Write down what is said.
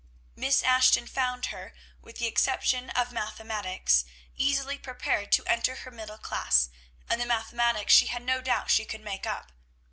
Miss Ashton found her, with the exception of mathematics, easily prepared to enter her middle class; and the mathematics she had no doubt she could make up.